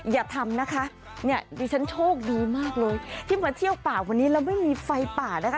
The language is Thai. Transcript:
อย่าทำนะคะเนี่ยดิฉันโชคดีมากเลยที่มาเที่ยวป่าวันนี้แล้วไม่มีไฟป่านะคะ